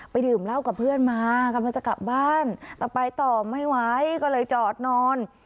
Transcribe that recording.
ดื่มเหล้ากับเพื่อนมากำลังจะกลับบ้านแต่ไปต่อไม่ไหวก็เลยจอดนอน